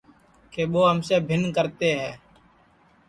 کہ ٻو ہم سے بِھن کرتے ہے